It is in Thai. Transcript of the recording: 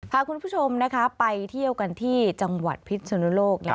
พาคุณผู้ชมไปเที่ยวกันที่จังหวัดพิษนุโลก